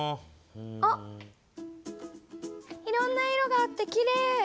あっいろんな色があってきれい！